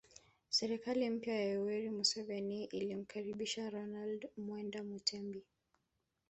Serikali mpya ya Yoweri Museveni ilimkaribisha Ronald Muwenda Mutebi